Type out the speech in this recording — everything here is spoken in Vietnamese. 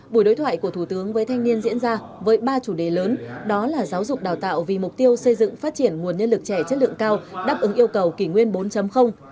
buổi đối thoại của thủ tướng với thanh niên diễn ra với ba chủ đề lớn đó là giáo dục đào tạo vì mục tiêu xây dựng phát triển nguồn nhân lực trẻ chất lượng cao đáp ứng yêu cầu kỷ nguyên bốn